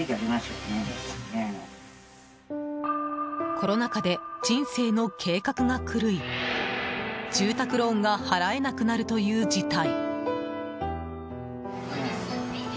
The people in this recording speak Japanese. コロナ禍で人生の計画が狂い住宅ローンが払えなくなるという事態。